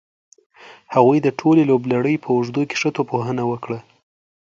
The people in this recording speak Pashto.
هغوی د ټولې لوبلړۍ په اوږدو کې ښه توپ وهنه وکړه.